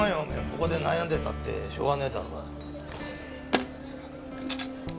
ここで悩んでたってしょうがねえだろうが。